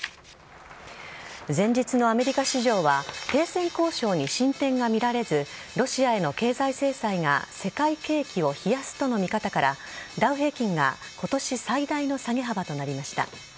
前日のアメリカ市場は、停戦交渉に進展が見られず、ロシアへの経済制裁が世界景気を冷やすとの見方から、ダウ平均がことし最大の下げ幅となりました。